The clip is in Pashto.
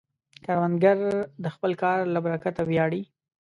کروندګر د خپل کار له برکته ویاړي